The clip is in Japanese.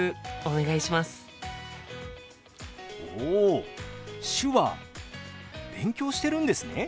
お手話勉強してるんですね。